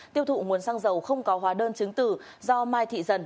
tiêu thụ nguồn xăng dầu không có hóa đơn chứng tử do mai thị dần